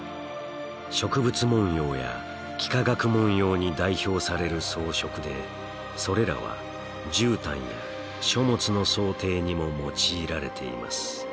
植物文様や幾何学文様に代表される装飾でそれらはじゅうたんや書物の装丁にも用いられています。